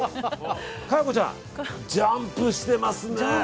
佳代子ちゃんジャンプしてますね。